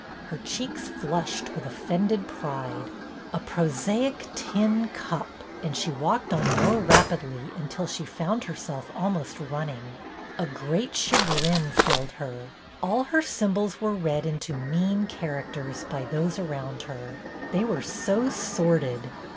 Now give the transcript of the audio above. Her cheeks flushed with offended pride. " A prosaic tin cup !" and she walked on more rapidly until she found herself almost run ning. A great chagrin filled her. All her symbols were read into mean characters by those around her; they were so sordid.